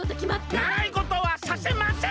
ならいごとはさせません！